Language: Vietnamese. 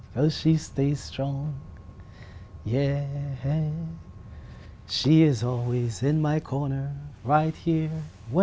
cả chàng trai khác cũng đẹp